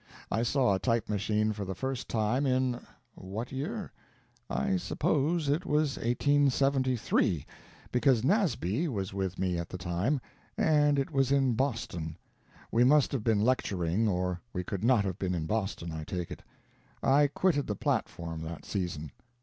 I saw a type machine for the first time in what year? I suppose it was 1873 because Nasby was with me at the time, and it was in Boston. We must have been lecturing, or we could not have been in Boston, I take it. I quitted the platform that season.